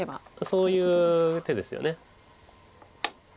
そういう手ですよね。